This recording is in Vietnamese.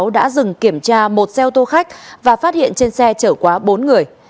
đã dừng kiểm tra một xe ô tô khách và phát hiện trên xe chở quá bốn người